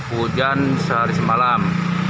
hujan sehari semalam